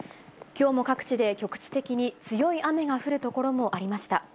きょうも各地で局地的に強い雨が降る所もありました。